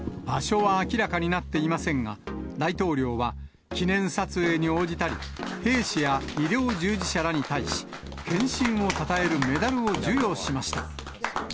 場所は明らかになっていませんが、大統領は記念撮影に応じたり、兵士や医療従事者らに対し、献身をたたえるメダルを授与しました。